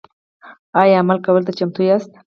ایا عمل کولو ته چمتو یاست؟